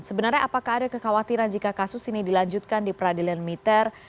sebenarnya apakah ada kekhawatiran jika kasus ini dilanjutkan di peradilan militer